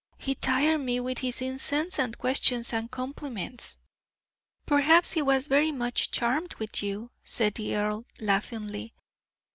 He tired me with his incessant questions and compliments." "Perhaps he was very much charmed with you," said the earl, laughingly.